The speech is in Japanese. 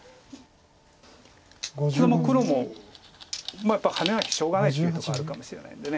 ただ黒もやっぱりハネなきゃしょうがないっていうとこあるかもしれないんで。